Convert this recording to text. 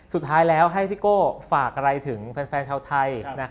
สุดท้ายแล้วให้พี่โก้ฝากอะไรถึงแฟนชาวไทย